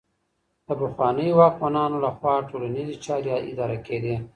د پخوانيو واکمنانو لخوا ټولنيزې چارې اداره کيدې.